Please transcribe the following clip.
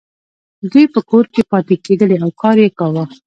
دوی په کور کې پاتې کیدلې او کار یې کاوه.